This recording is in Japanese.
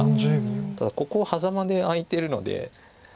ただここハザマで空いてるので。